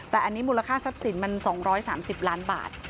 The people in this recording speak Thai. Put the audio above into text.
แต่อันนี้มูลค่าทรัพย์สินมัน๒๓๐ล้านบาท